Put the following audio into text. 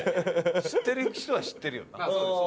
知ってる人は知ってる。